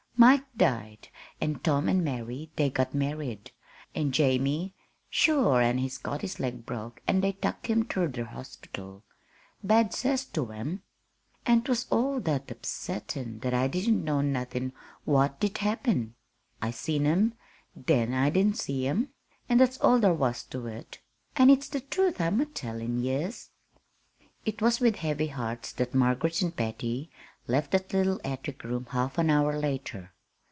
"Mike died, an' Tom an' Mary, they got married, an' Jamie, sure an' he got his leg broke an' they tuk him ter the horspital bad cess to 'em! An' 'twas all that upsettin' that I didn't know nothin' what did happen. I seen 'em then I didn't seen 'em; an' that's all thar was to it. An' it's the truth I'm a tellin' yez." It was with heavy hearts that Margaret and Patty left the little attic room half an hour later.